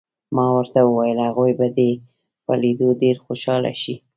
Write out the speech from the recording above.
ما ورته وویل: هغوی به دې په لیدو ډېر خوشحاله شي.